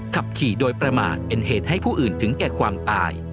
ขับขี่โดยประมาทเป็นเหตุให้ผู้อื่นถึงแก่ความตาย